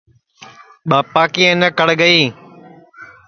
ٻاپا کی اَینک کڑ گئی